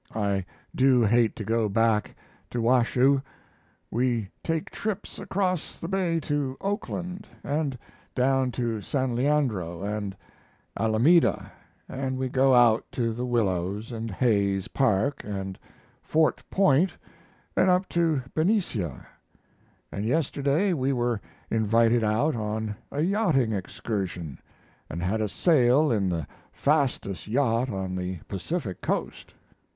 I do hate to go back to Washoe. We take trips across the bay to Oakland, and down to San Leandro and Alameda, and we go out to the Willows and Hayes Park and Fort Point, and up to Benicia; and yesterday we were invited out on a yachting excursion, and had a sail in the fastest yacht on the Pacific coast.